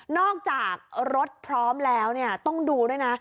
อกจากรถพร้อมแล้วต้องดูด้วยนะ